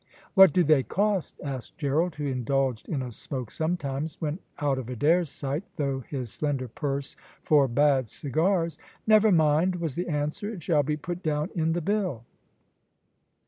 "What do they cost?" asked Gerald, who indulged in a smoke sometimes, when out of Adair's sight, though his slender purse forbade cigars. "Never mind," was the answer; "it shall be put down in the bill."